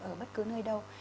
ở bất cứ nơi đâu